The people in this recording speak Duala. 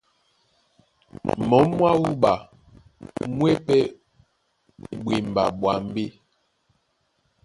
Mǒm mwá wúɓa mú e pɛ́ ɓwemba ɓwambí.